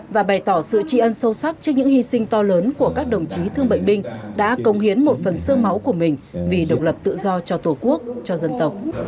và bày tỏ sự tri ân sâu sắc trước những hy sinh to lớn của các đồng chí thương bệnh binh đã công hiến một phần sương máu của mình vì độc lập tự do cho tổ quốc cho dân tộc